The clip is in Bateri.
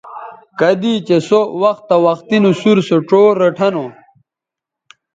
کدی چہء سو وختہ وختی سُور سو ڇو ریٹھہ نو